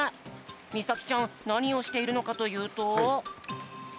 みさきちゃんなにをしているのかというと。